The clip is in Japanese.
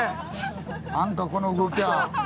なんかこの動きは。